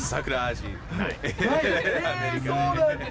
そうなんだ。